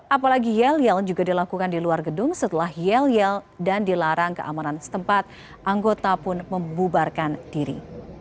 apalagi yel yel juga dilakukan di luar gedung setelah yel yel dan dilarang keamanan setempat anggota pun membubarkan diri